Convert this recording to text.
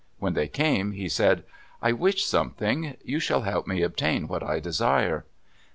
When they came, he said, "I wish something. You shall help me obtain what I desire."